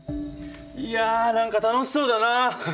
いや何か楽しそうだな。